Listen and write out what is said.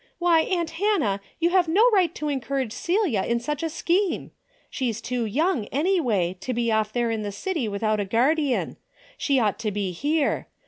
Why, aunt Hannah, you have no right to encourage Celia in such a scheme. She's too young, anyway, to be away off there in a city without a guardian. She ought to be here.